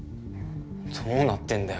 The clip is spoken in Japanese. どうなってんだよ